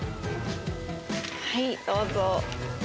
はいどうぞ。